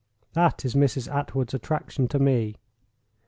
That is Mrs. Attwood's attraction to _me.